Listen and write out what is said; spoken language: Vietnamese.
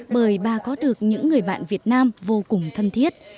bởi bà có được những người bạn việt nam vô cùng thân thiết